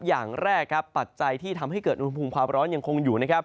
อย่างแรกครับปัจจัยที่ทำให้เกิดอุณหภูมิความร้อนยังคงอยู่นะครับ